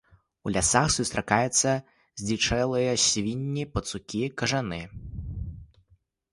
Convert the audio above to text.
У лясах сустракаюцца здзічэлыя свінні, пацукі, кажаны.